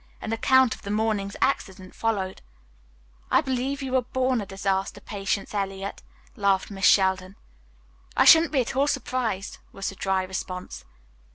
An account of the morning's accident followed. "I believe you were born to disaster, Patience Eliot," laughed Miss Sheldon. "I shouldn't be at all surprised," was the dry response.